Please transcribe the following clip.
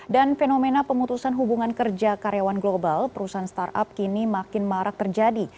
dan fenomena pemutusan hubungan kerja karyawan global perusahaan startup kini makin marak terjadi